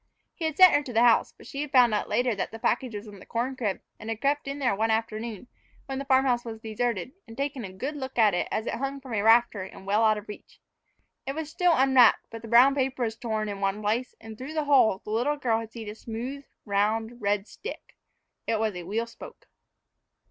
He had sent her into the house; but she had found out later that the package was in the corn crib, and had crept in there one afternoon, when the farm house was deserted, and taken a good look at it as it hung from a rafter and well out of reach. It was still unwrapped, but the brown paper was torn in one place, and through the hole the little girl had seen a smooth, round red stick. It was a wheel spoke.